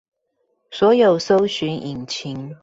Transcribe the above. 所有搜尋引擎